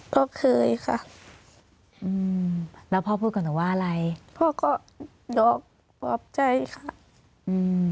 ก็เคยค่ะอืมแล้วพ่อพูดกับหนูว่าอะไรพ่อก็บอกปลอบใจค่ะอืม